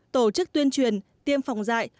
tổ chức tuyên truyền tiêm phòng dại